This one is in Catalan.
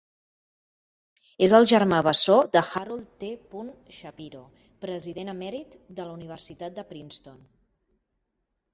És el germà bessó de Harold T. Shapiro, president emèrit de la Universitat de Princeton.